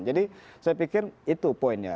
saya pikir itu poinnya